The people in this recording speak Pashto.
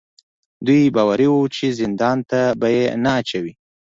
دوی باوري وو چې زندان ته به یې نه اچوي.